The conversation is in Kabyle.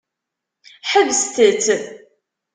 Ḥebset-tt.